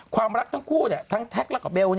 ความรักทั้งคู่ทั้งแท็กแล้วก็เบล